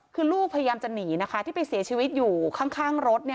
คือลูกพยายามจะหนีนะคะที่ไปเสียชีวิตอยู่ข้างรถ